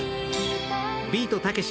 ビートたけし